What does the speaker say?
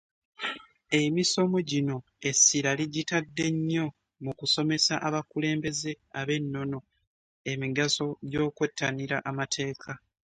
Emisomo gino essira ligitadde nnyo mu kusomesa abakulembeze ab’ennono, emigaso gy’okwettanira amateeka.